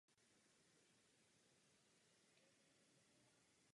Naopak "Rotterdam" nese plně vybavenou palubní nemocnici.